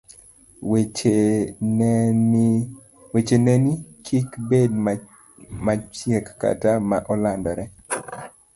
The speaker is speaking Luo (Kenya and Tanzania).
wecheneni kik bed machieko kata ma olandore.